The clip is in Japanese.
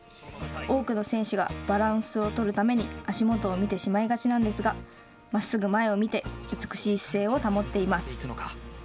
多くの選手がバランスを取るために足元を見てしまいがちなんですがまっすぐ前を見て美しい姿勢を保っています。